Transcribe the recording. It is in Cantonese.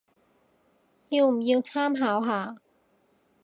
要唔要參考下